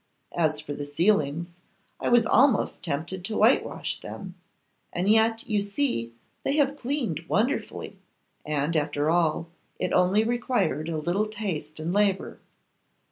As for the ceilings, I was almost tempted to whitewash them, and yet you see they have cleaned wonderfully; and, after all, it only required a little taste and labour.